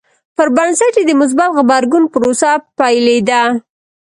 پر بنسټ یې د مثبت غبرګون پروسه پیلېده.